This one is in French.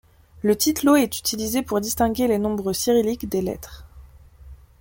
Le titlo est utilisé pour distinguer les nombres cyrilliques des lettres.